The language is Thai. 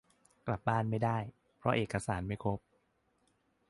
กลับบ้านไม่ได้ เพราะเอกสารไม่ครบ